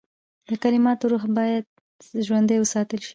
د کلماتو روح باید ژوندی وساتل شي.